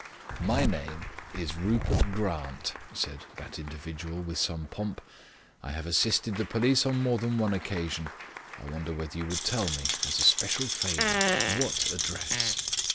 "My name is Rupert Grant," said that individual, with some pomp. "I have assisted the police on more than one occasion. I wonder whether you would tell me, as a special favour, what address?"